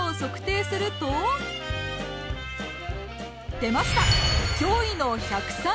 出ました！